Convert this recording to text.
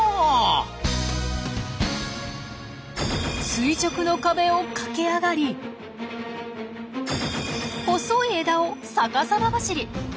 垂直の壁を駆け上がり細い枝を逆さま走り。